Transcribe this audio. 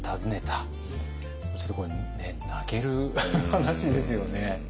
ちょっとこれ泣ける話ですよね。